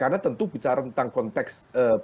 karena tentu bicara tentang konteks berada di kubu tiga